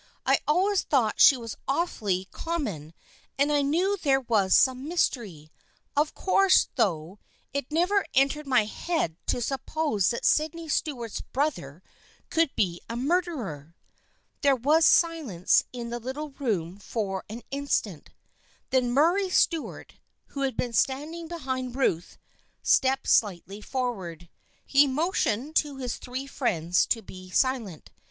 I always thought she was awfully com mon, and I knew there was some mystery. Of course, though, it never entered my head to sup pose that Sydney Stuart's brother could be a mur derer." There was silence in the little room for an in stant, Then Murray Stuart, who had been stand ing behind Ruth, stepped slightly forward. He motioned to his three friends to be silent.